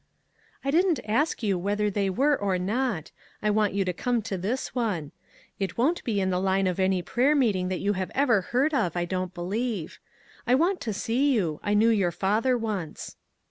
"I didn't ask you whether they were or not. I want you to come to this one. It won't be in the line of any prayer meeting that you ever heard of, I don't believe. I 122 ONE COMMONPLACE DAY. want to see you ; I knew your father once."